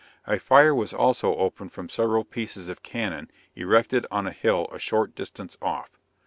A fire was also opened from several pieces of cannon erected on a hill a short distance off.